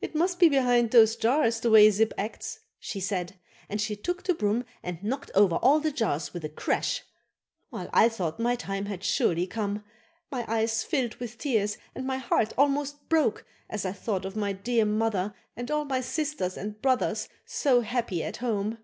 "It must be behind those jars, the way Zip acts," she said; and she took the broom and knocked over all the jars with a crash. Well! I thought my time had surely come. My eyes filled with tears and my heart almost broke as I thought of my dear mother and all my sisters and brothers so happy at home.